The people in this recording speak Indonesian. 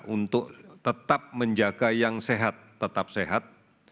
untuk tetap menjaga yang sehat tetap sehat